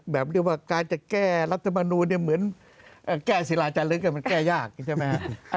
แบบนี้ว่าการจะแก้รัฐบาลมนุษย์เนี่ยเหมือนแก้ศิลาจรรย์แล้วกันมันแก้ยากใช่ไหมฮะ